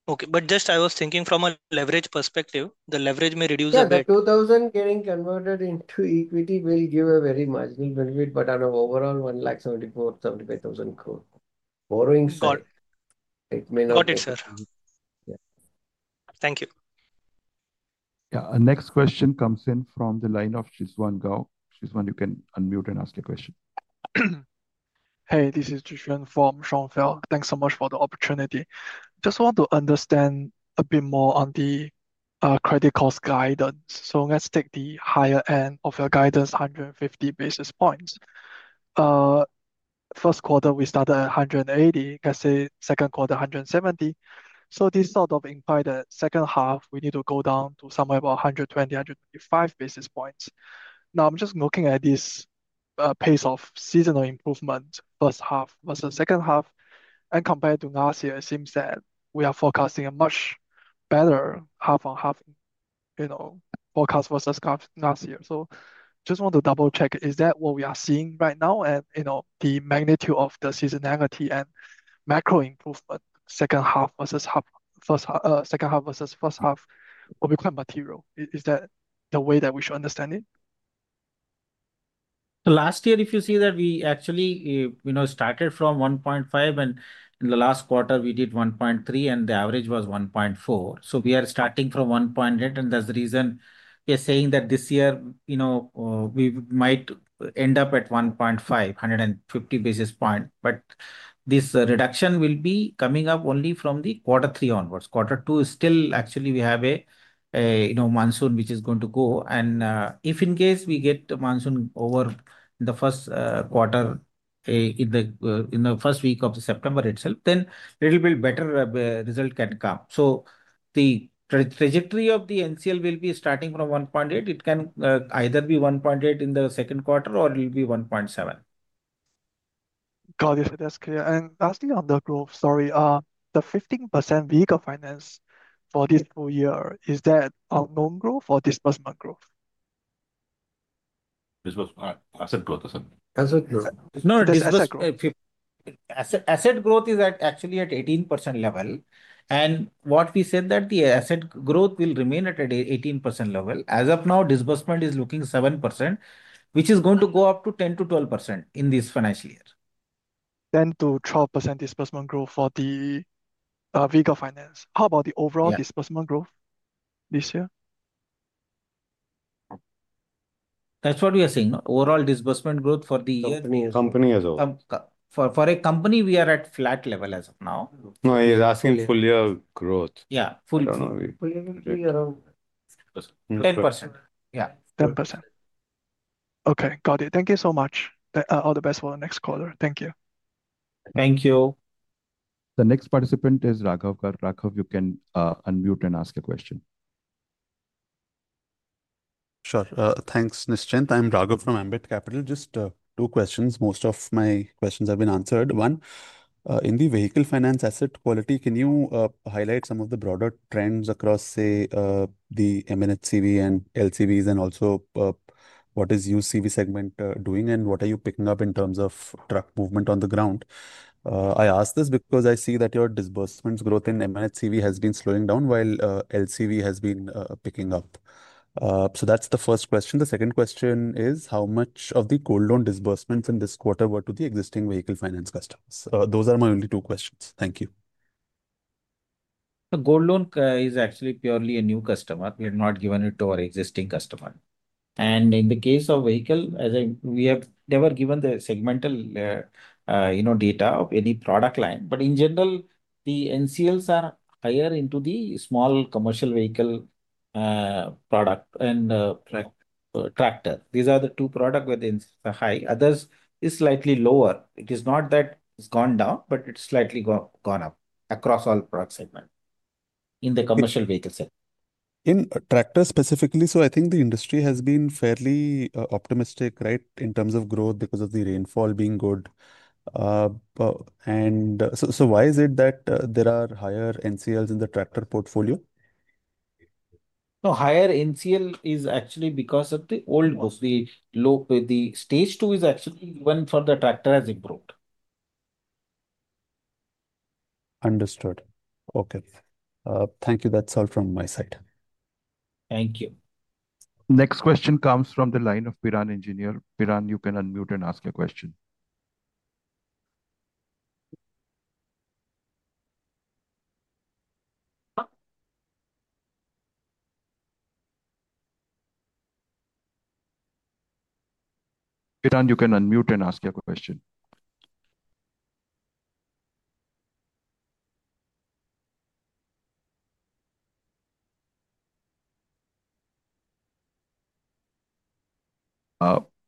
Okay, but just I was thinking from a leverage perspective, the leverage may reduce 2,000 crore getting converted into equity will give a very marginal benefit, but on an overall 1,74,75,000 crore borrowings. Got it, sir. Thank you. A next question comes in from the line of Zhixuan Gao. You can unmute and ask your question. Hey, this is from Zhixuan from Schonfeld. Thanks so much for the opportunity. Just want to understand a bit more on the credit cost guidance. Let's take the higher end of your guidance. 150 basis points, first quarter we started at 180 basis points, let's say second quarter 170 basis points. This sort of implies the second half we need to go down to somewhere about 120 basis points, 125 basis points. Now, I'm just looking at this pace of seasonal improvement, first half versus second half, and compared to last year it seems that we are forecasting a much better half on half forecast versus last year. Just want to double check, is that what we are seeing right now and the magnitude of the seasonality and macro improvement second half versus first half. Second half versus first half will be quite material. Is that the way that we should understand it? Last year, if you see that we actually started from 1.5% and in the last quarter we did 1.3% and the average was 1.4%. We are starting from 1.8%, and that's the reason we are saying that this year we might end up at 1.5%, 150 basis points, but this reduction will be coming up only from the quarter three onwards. Quarter two is still actually we have a, you know, monsoon which is going to go and if in case we get monsoon over the first quarter in the first week of September itself, then little bit better result can come. The trajectory of the NCL will be starting from 1.8%. It can either be 1.8% in the second quarter or will be 1.7%. Got it. That's clear. Lastly, on the growth story, the 15% vehicle finance for this full year, is that loan growth or disbursement growth? Asset growth. Asset growth is actually at 18% level. What we said is that the asset growth will remain at 18% level. As of now, disbursement is looking 7%, which is going to go up to 10% to 12% in this financial year. 10% to 12% disbursement growth for the vehicle finance. How about the overall disbursement growth this year? That's what we are saying. Overall disbursement growth for the company. Company. For a company. We are at flat level as of now. No, he is asking full year growth. Yeah, 10%. Yeah. 10%. Okay, got it. Thank you so much. All the best for the next caller. Thank you. Thank you. The next participant is Raghav. Raghav, you can unmute and ask a question. Sure. Thanks, Nischint. I'm Raghav from Ambit Capital. Just two questions. Most of my questions have been answered. One, in the vehicle finance asset quality, can you highlight some of the broader trends across, say, the M&HCV and LCVs? Also, what is used CV segment doing and what are you picking up in terms of truck movement on the ground? I ask this because I see that your disbursements growth in M&HCV has been slowing down while LCV has been picking up. That's the first question. The second question is how much of the gold loan disbursements in this quarter were to the existing vehicle finance customers. Those are my only two questions. Thank you. The gold loan is actually purely a new customer. We have not given it to our existing customer. In the case of vehicle, we have never given the segmental, you know, data of any product line. In general, the NCLs are higher in the small commercial vehicle product and tractor. These are the two products within the high, others is slightly lower. It is not that it's gone down, but it's slightly gone up across all product segment in the commercial vehicle. In tractor specifically. I think the industry has been fairly optimistic in terms of growth because of the rainfall being good. Why is it that there are higher NCLs in the tractor portfolio? Higher NCL is actually because of the old. The stage two is actually even for the tractor has improved. Understood. Okay, thank you. That's all from my side. Thank you. Next question comes from the line of Piran Engineer. Piran, you can unmute and ask your question. You can unmute and ask your question.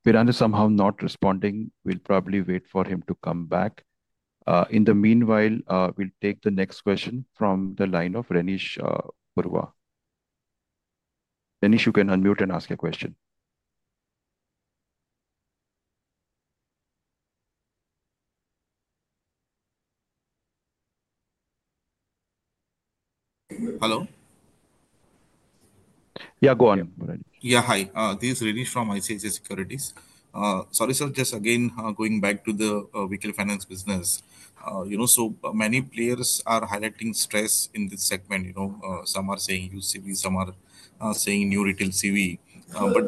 Piran is somehow not responding. We'll probably wait for him to come back. In the meanwhile, we'll take the next question from the line of Renish Bhuva. You can unmute and ask a question. Hello? Yeah, go on. Yeah, hi, this is Renish from ICICI Securities. Sorry sir, just again going back to the vehicle finance business. You know, so many players are highlighting stress in this segment. Some are saying UCV, some are saying new retail CV.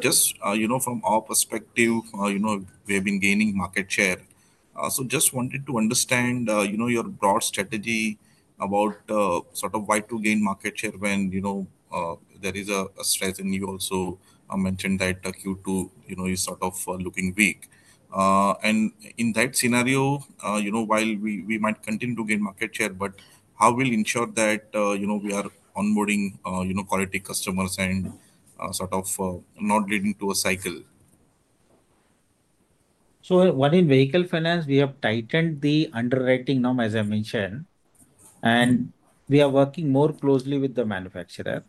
Just from our perspective, we have been gaining market share. Just wanted to understand your broad strategy about why to gain market share when there is a stress. You also mentioned that Q2 is sort of looking weak and in that scenario, while we might continue to gain market share, how will we ensure that we are onboarding quality customers and not leading to a cycle. In vehicle finance, we have tightened the underwriting norm as I mentioned and we are working more closely with the manufacturer.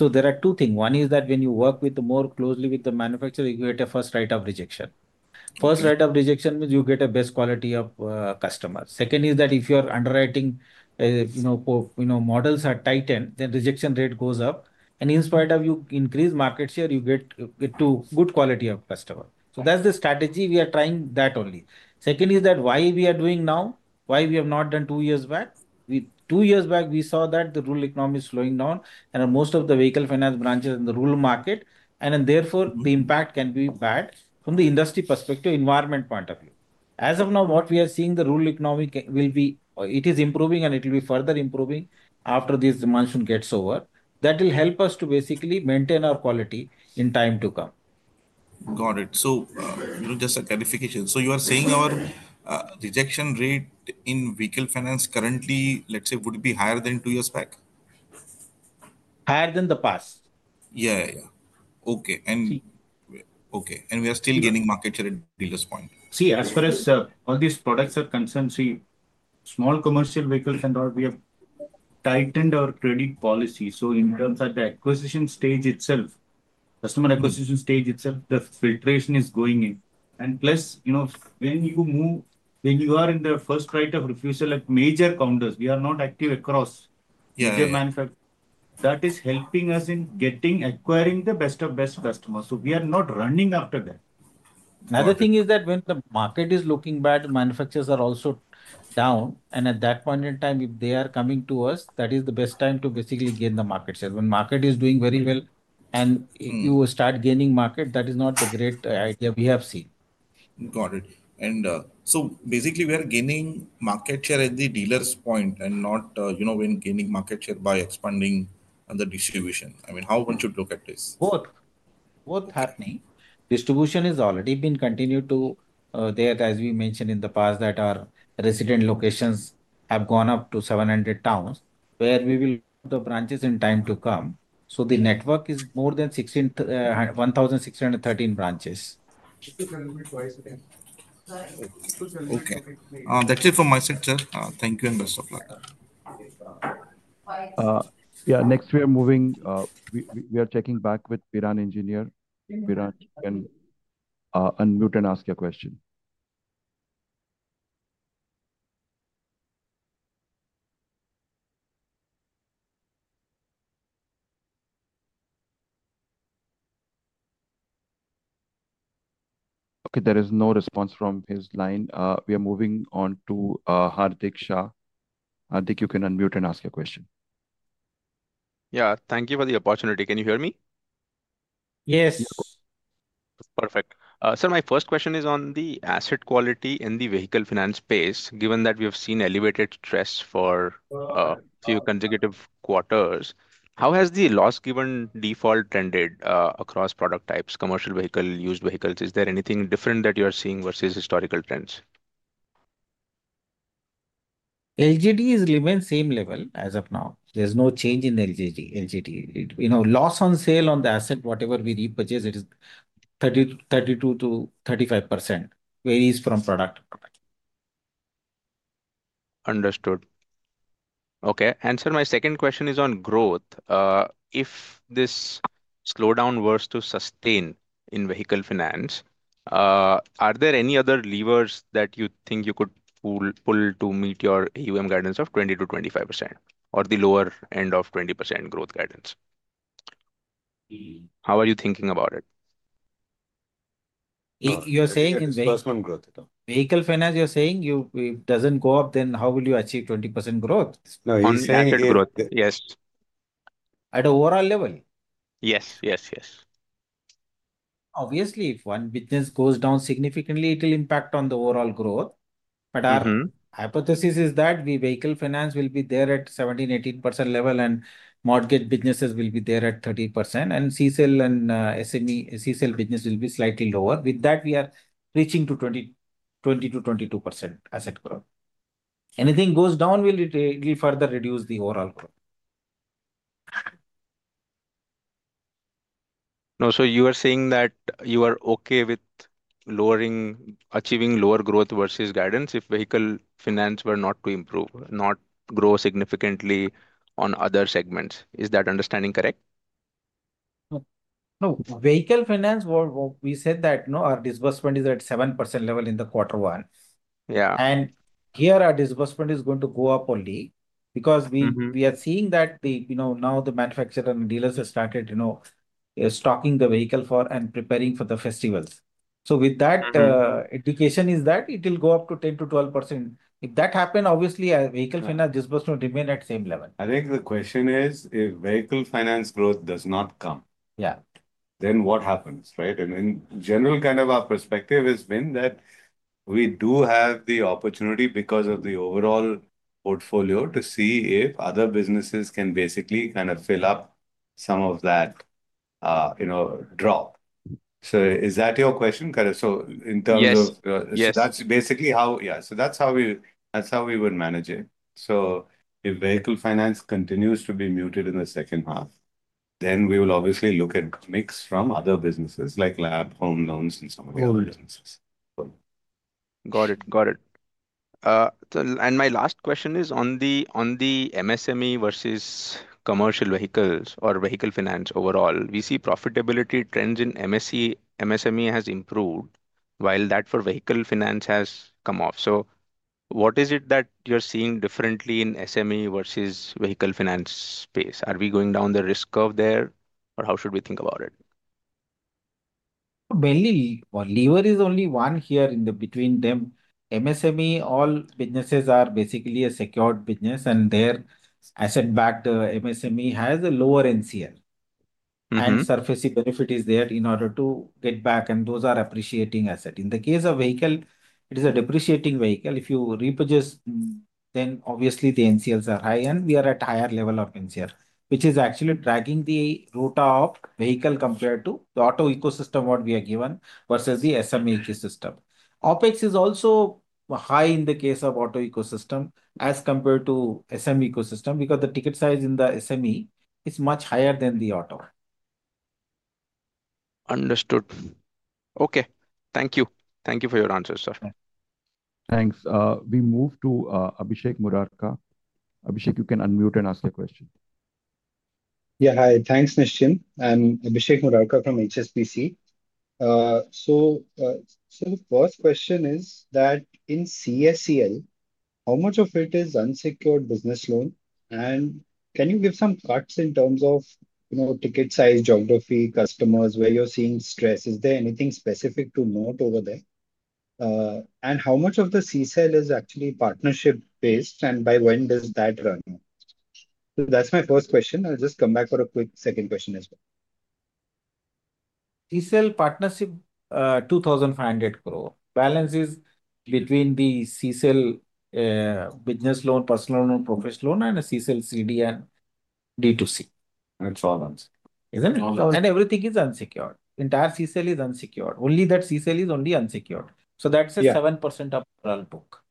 There are two things. One is that when you work more closely with the manufacturer, you get a first rate of rejection. First rate of rejection means you get a best quality of customers. Second is that if your underwriting models are tightened, then rejection rate goes up and in spite of you increase market share, you get to good quality of customer. That's the strategy. We are trying that only. Second is that why we are doing now, why we have not done two years back. Two years back we saw that the rural economy is slowing down and most of the vehicle finance branches in the rural market and therefore the impact can be bad from the industry perspective, environment point of view. As of now, what we are seeing, the rural economy is improving and it will be further improving after this demand gets over. That will help us to basically maintain our quality in time to come. Got it. Just a clarification. You are saying our rejection rate in vehicle finance currently, let's say, would be higher than two years back, Higher than the past. Yeah, yeah. Okay. And okay. We are still gaining market share at the dealer's point. As far as all these products are concerned, small commercial vehicles and all, we have tightened our credit policy. In terms of the acquisition stage itself, customer acquisition stage itself, the filtration is going in, and plus, when you are in the first right of refusal at major counters, we are not active across. That is helping us in acquiring the best of best customers. We are not running after that. Another thing is that when the market is looking bad, manufacturers are also down. At that point in time, if they are coming to us, that is the best time to basically gain the market share. When market is doing very well and you start gaining market, that is not the great idea we have seen. Got it. Basically, we are gaining market share at the dealer's point and not gaining market share by expanding the distribution. I mean, how one should look at this. Both happening. Distribution is already being continued there. As we mentioned in the past, our resident locations have gone up to 700 towns where we will have the branches in time to come. The network is more than 1,613 branches. Okay, that's it for my sector. Thank you and best of luck. Next, we are moving. We are checking back with Piran Engineer. Unmute and ask your question. There is no response from his line. We are moving on to Hardik Shah. I think you can unmute and ask your question. Thank you for the opportunity. Can you hear me? Yes. Perfect. Sir, my first question is on the asset quality in the vehicle finance space. Given that we have seen elevated stress for few consecutive quarters, how has the loss given default trended across product types, commercial vehicle, used vehicles? Is there anything different that you are seeing versus historical trends? LGD has remained at the same level. As of now, there's no change in LGD. Loss on sale on the asset, whatever we repurchase, it is 30%, 32% -35%, varies from product. Understood. Okay, and my second question is on growth. If this slowdown was to sustain in vehicle finance, are there any other levers that you think you could pull to meet your AUM guidance of 20% -25% or the lower end of 20% growth guidance? How are you thinking about it? You're saying vehicle finance, you're saying it doesn't go up, then how will you achieve 20% growth? Yes. At overall level? Yes. Yes. Yes. Obviously, if one business goes down significantly, it will impact the overall growth. Our hypothesis is that the vehicle finance will be there at 17%-18% level and mortgage businesses will be there at 30%, and CSEL and SME CSEL business will be slightly lower. With that, we are reaching to 20%-22% asset growth. Anything goes down, will it further reduce the overall growth. No. You are saying that you are okay with achieving lower growth versus guidance if vehicle finance were not to improve, not grow significantly on other segments. Is that understanding correct? No. Vehicle finance, we said that. Our disbursement is at 7% level in the quarter one. Here, our disbursement is going to go up only because we are seeing that the manufacturer and dealers have started stocking the vehicle and preparing for the festivals. With that, the indication is that it will go up to 10%-12% if that happens. Obviously, if vehicle finance disbursement remains at the same level. I think the question is if vehicle finance growth does not come, then what happens, right? In general, our perspective has been that we do have the opportunity because of the overall portfolio to see if other businesses can basically fill up some of that drop. Is that your question? That's basically how we would manage it. If vehicle finance continues to be muted in the second half, then we will look at mix from other businesses like LAP, home loans, and some of those. Got it, got it. My last question is on the MSME versus commercial vehicles or vehicle finance. Overall, we see profitability trends in MSME. MSME has improved while that for vehicle finance has come off. What is it that you're seeing differently in SME versus vehicle finance space? Are we going down the risk curve there or how should we think about it? Mainly, our lever is only one here between them. MSME, all businesses are basically a secured business and they are asset-backed. MSME has a lower NCL and SARFAESI benefit is there in order to get back, and those are appreciating assets. In the case of vehicle, it is a depreciating vehicle. If you repossess, then the NCLs are high and we are at higher level of NCL, which is actually dragging the route of vehicle compared to the auto ecosystem, what we are given versus the SME ecosystem. OpEx is also high in the case of auto ecosystem as compared to SME ecosystem because the ticket size in the SME is much higher than the auto. Understood. Okay, thank you. Thank you for your answer, sir. Thanks. We move to Abhishek Muraka. Abhishek, you can unmute and ask a question. Yeah, hi. Thanks, Nischint. I'm Abhishek Muraka from HSBC. The first question is that in CSEL, how much of it is unsecured business loan and can you give some cuts in terms of ticket size, geography, customers where you're seeing stress? Is there anything specific to note over there? How much of the CSEL is actually partnership based? By when does that run? That's my first question. I'll just come back for a quick second question as well. CSEL partnership, INR 2,500 crore balances between the CSEL business loan, personal loan, professional loan and CSEL CD and D2C. That's all. Isn't it? Everything is unsecured. Entire CSEL is unsecured. Only that CSEL is only unsecured. So that's 7% of book.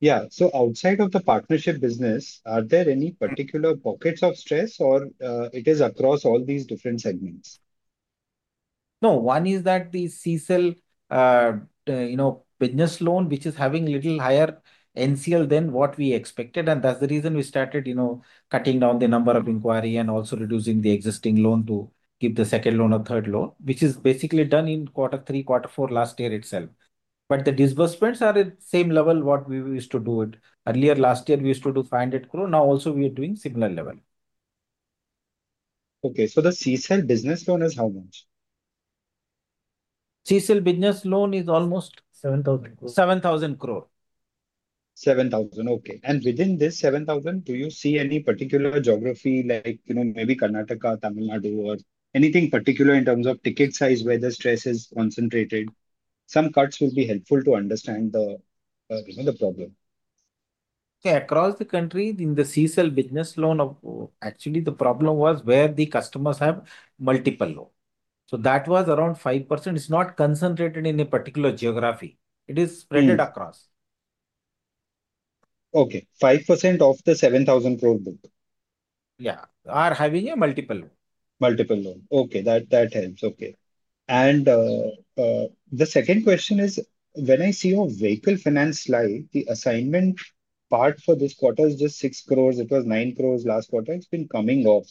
Yeah. Outside of the partnership business, are there any particular pockets of stress or is it across all these different segments? No. One is that the CSEL business loan, which is having little higher NCL than what we expected. That's the reason we started cutting down the number of inquiry and also reducing the existing loan to keep the second loan or third loan, which is basically done in quarter three, quarter four, last year itself. The disbursements are at same level what we used to do earlier. Last year we used to do 500 crore. Now also we are doing similar level. Okay, so the CSEL business loan is how much? CSEL business loan is almost 7,000 crore. 7,000 crore. 7,000. Okay. Within this 7,000, do you see any particular geography like maybe Karnataka, Tamil Nadu or anything particular in terms of ticket size where the stress is concentrated? Some cuts will be helpful to understand the problem. Across the country. In the CSEL business loan, actually the problem was where the customers have multiple loans. That was around 5%. It's not concentrated in a particular geography. It is spread across. Okay. 5% of the 7,000 crore book. Yeah, are having a multiple. Mmultiple loan. Okay, that helps. Okay. The second question is when I see a vehicle finance slide, the assignment part for this quarter is just 6 crore. It was 9 crore last quarter. It's been coming off.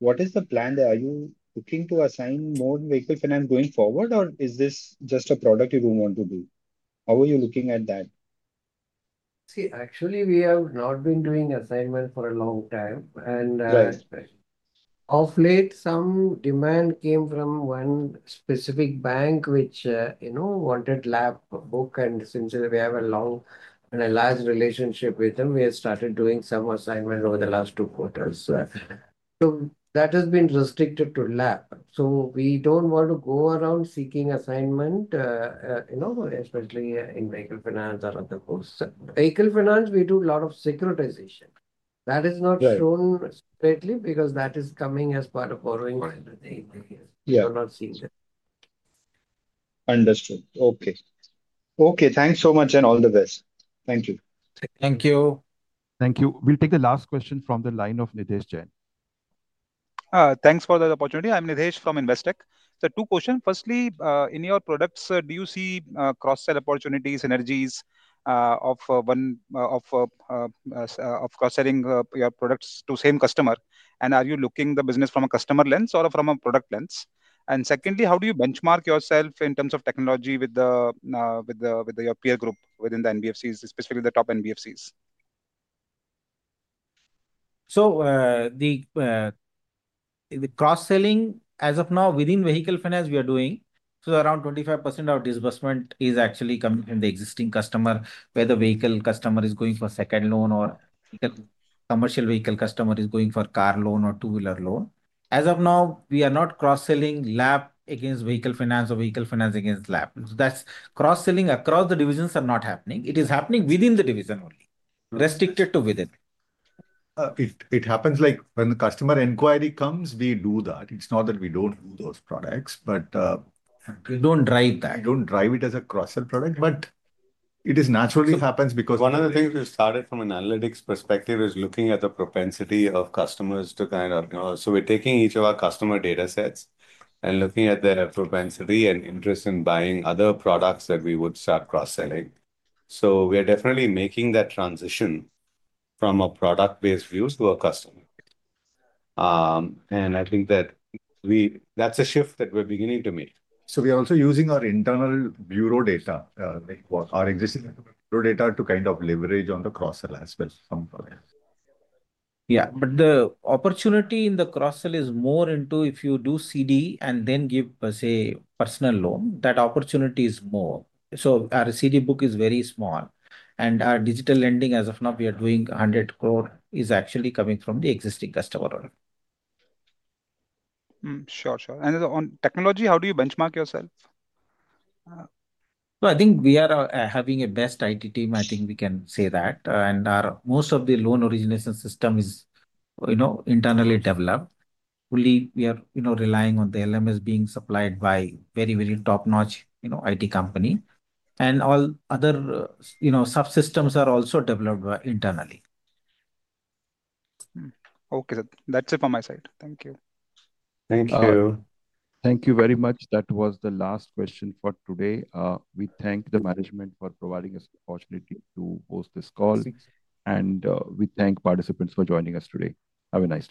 What is the plan? Are you looking to assign more vehicle finance going forward or is this just a product you don't want to do? How are you looking at that? See, actually we have not been doing assignment for a long time and of late some demand came from one specific bank which, you know, wanted LAP book. Since we have a long and a large relationship with them, we have started doing some assignment over the last two quarters. That has been restricted to LAP. We don't want to go around seeking assignment, especially in vehicle finance or other core vehicle finance. We do a lot of securitization. That is not shown greatly because that is coming as part of borrowing. Yes, understood. Okay. Okay. Thanks so much and all the best. Thank you. Thank you. Thank you. We'll take the last question from the line of Nidhesh Jain. Thanks for the opportunity. I'm Nidhesh from Investec. Two questions. Firstly, in your products do you see cross sell opportunities, synergies of one of cross selling your product to same customer, and are you looking at the business from a customer lens or from a product lens? Secondly, how do you benchmark yourself in terms of technology with your peer group within the NBFCs, specifically the top NBFCs? The cross selling as of now within vehicle finance we are doing, so around 25% of disbursement is actually coming from the existing customer where the vehicle customer is going for second loan or commercial vehicle customer is going for car loan or two wheeler loan. As of now, we are not cross selling LAP against vehicle finance or vehicle finance against LAP. That cross selling across the divisions is not happening. It is happening within the division, only restricted to within. It happens like when the customer inquiry comes, we do that. It's not that we don't do those products, but We don't drive that. We don't drive it as a cross sell product. It naturally happens because One of the things we started from an analytics perspective is looking at the propensity of customers. We're taking each of our customer data sets and looking at their propensity and interest in buying other products that we would start cross selling. We are definitely making that transition from a product based view to a customer. I think that's a shift that we're beginning to make. We are also using our internal bureau data, our existing data to leverage on the cross sell as well. Yeah, but the opportunity in the cross sell is more into if you do CD and then give, say, personal loan. That opportunity is more. Our CD book is very small, and our digital lending as of now, we are doing 100 crore, is actually coming from the existing customer. Sure, sure. On technology, how do you benchmark yourself? I think we are having a best IT team. I think we can say that. Most of the loan origination system is, you know, internally developed fully. We are, you know, relying on the LMS being supplied by very, very top notch, you know, IT company, and all other, you know, subsystems are also developed internally. Okay, that's it for my side. Thank you. Thank you. Thank you very much. That was the last question for today. We thank the management for providing us opportunity to host this call, and we thank participants for joining us today. Have a nice day.